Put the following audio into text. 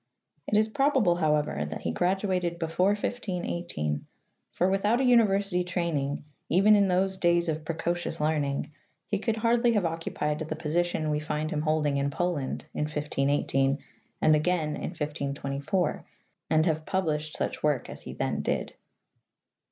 '' It is probable, however, that he graduated before 1518, for without a university training, even in those days of precocious learning, he could hardly have occupied the position we find him holding in Poland in 1518 and again in 1524, and have published such work as he then did.